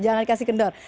jangan kasih kendor